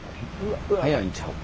速いんちゃうか？